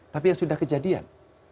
tapi yang sudah kejadian